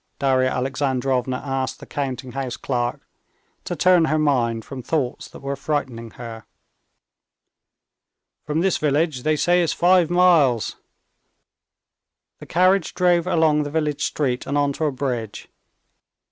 Darya Alexandrovna asked the counting house clerk, to turn her mind from thoughts that were frightening her. "From this village, they say, it's five miles." The carriage drove along the village street and onto a bridge.